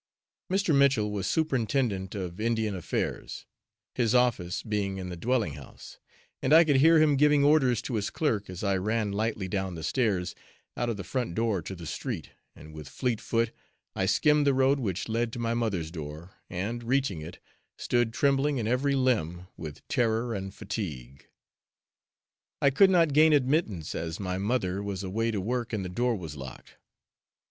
Mr. Mitchell was Superintendent of Indian Affairs, his office being in the dwelling house, and I could hear him giving orders to his clerk, as I ran lightly down the stairs, out of the front door to the street, and with fleet foot, I skimmed the road which led to my mother's door, and, reaching it, stood trembling in every limb with terror and fatigue. I could not gain admittance, as my mother was away to work and the door was locked.